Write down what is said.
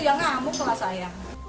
yang ngamuk lah saya